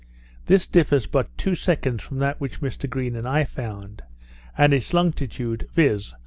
This differs but two seconds from that which Mr Green and I found; and its longitude, viz.